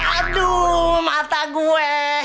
aduh mata gue